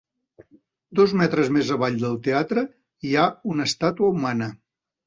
Dos metres més avall del teatre hi ha una estàtua humana.